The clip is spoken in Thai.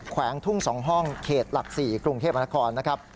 แขวงทุ่ง๒ห้องเขตหลัก๔กรุงเทพมนครนะครับ